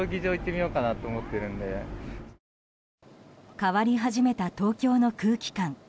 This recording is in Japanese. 変わり始めた東京の空気感。